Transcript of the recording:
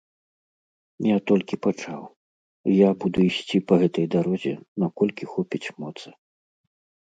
Я толькі пачаў, і я буду ісці па гэтай дарозе, наколькі хопіць моцы.